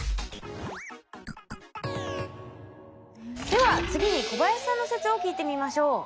では次に小林さんの説を聞いてみましょう。